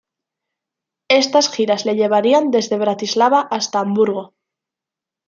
Estas giras le llevarían desde Bratislava hasta a Hamburgo.